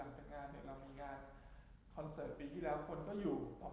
ก็คือในเรื่องของด่านวิ่งที่เราเพิ่มขึ้นอีก๕ด่านให้มันขึ้น